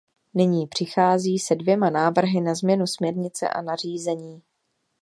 Nyní přichází se dvěma návrhy na změnu směrnice a nařízení.